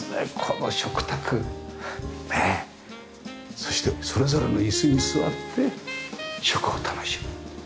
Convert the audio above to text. そしてそれぞれの椅子に座って食を楽しむ。